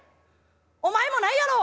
「お前もないやろ！